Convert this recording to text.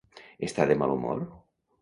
Està de mal humor?